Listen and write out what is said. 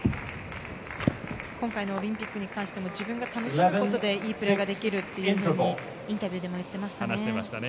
今回のオリンピックに関しても自分が楽しむことでいいプレーができるとインタビューでも言っていましたね。